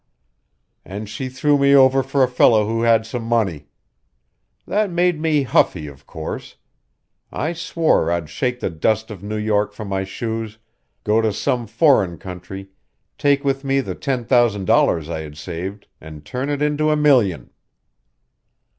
"And she threw me over for a fellow who had some money. That made me huffy, of course. I swore I'd shake the dust of New York from my shoes, go to some foreign country, take with me the ten thousand dollars I had saved, and turn it into a million."